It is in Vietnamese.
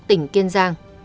tỉnh kiên giang